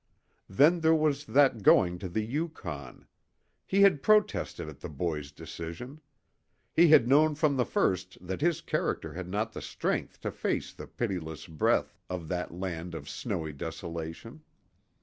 Then there was that going to the Yukon. He had protested at the boy's decision. He had known from the first that his character had not the strength to face the pitiless breath of that land of snowy desolation.